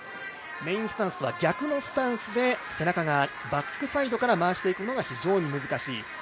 メインスタンスは逆のスタンスで、背中がバックサイドから回していくのが非常に難しい。